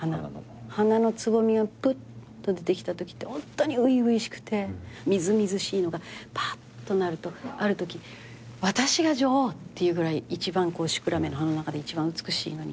花のつぼみがプッと出てきたときってホントに初々しくてみずみずしいのがパッとなるとあるとき私が女王っていうぐらいシクラメンの花の中で一番美しいのに。